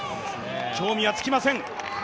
興味は尽きません。